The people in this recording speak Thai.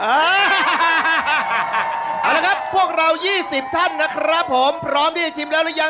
เอาละครับพวกเรา๒๐ท่านนะครับผมพร้อมที่จะชิมแล้วหรือยัง